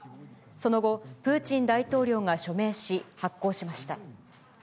その後、プーチン大統領が署名し、発効しました。